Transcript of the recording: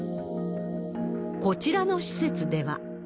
こちらの施設では。